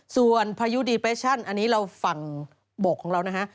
ส่วนพายุดีเปชั่นอันนี้เราฝั่งบกของเรานะฮะ